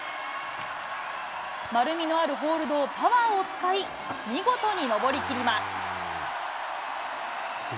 丸みのあるホールドを、パワーを使い、見事に登りきります。